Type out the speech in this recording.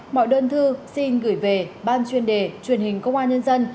mọi đơn thư xin gửi về ban chuyên đề truyền hình công an nhân dân